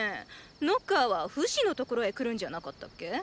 ノッカーは“フシ”の所へ来るんじゃなかったっけ？